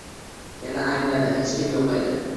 Yana alangladi. Hech kim yoʼq edi.